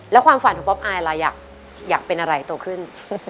แล้วความฝันของป๊อปอายล่ะอยากเป็นอะไรโตขึ้น